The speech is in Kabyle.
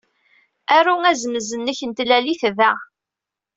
Aru azemz-nnek n tlalit da.